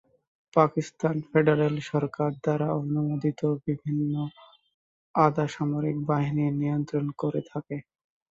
Pakistan federal সরকার দ্বারা অনুমোদিত বিভিন্ন আধাসামরিক বাহিনী নিয়ন্ত্রণ করে থাকে।